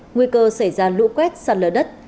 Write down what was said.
nguy cơ xảy ra lũ quét sạt lở đất